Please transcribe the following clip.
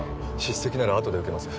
叱責ならあとで受けます